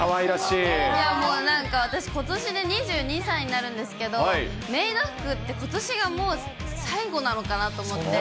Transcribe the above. いやもう、なんか、私ことしで２２歳になるんですけど、メイド服って、ことしがもう最後なのかなと思って。